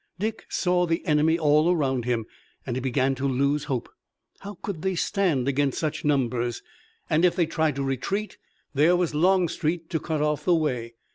Dick saw the enemy all around him, and he began to lose hope. How could they stand against such numbers? And if they tried to retreat there was Longstreet to cut off the way.